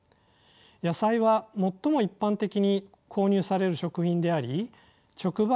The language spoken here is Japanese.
野菜は最も一般的に購入される食品であり直売